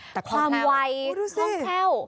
แต่ความไวโฮ้ดูสิโฮ้แท่ว